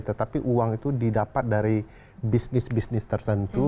tetapi uang itu didapat dari bisnis bisnis tertentu